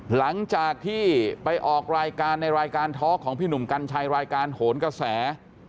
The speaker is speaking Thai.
หลังจากที่ไปออกรายการในรายการท็อกของพี่หนุ่มกัญชัยรายการโหนกระแส